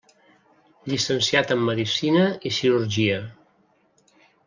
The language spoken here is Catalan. Llicenciat en medicina i cirurgia.